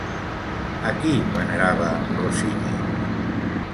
A qui venerava Rossini?